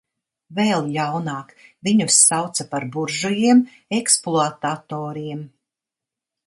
Vēl ļaunāk, viņus sauca par buržujiem, ekspluatatoriem.